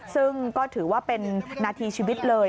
ซึ่งก็ถือว่าเป็นนาทีชีวิตเลย